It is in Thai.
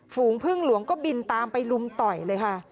ฝูงพึ่งหลวงก็บินตามไปลุมต่อยเลยค่ะ